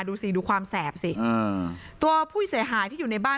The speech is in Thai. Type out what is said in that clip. ดูสิดูความแสบสิตัวผู้เสียหายที่อยู่ในบ้าน